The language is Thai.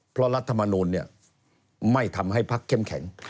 เพราะรัฐมนูลไม่ทำให้พักเข้มแข็ง